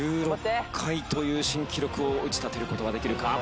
１６回という新記録を打ち立てる事はできるか！？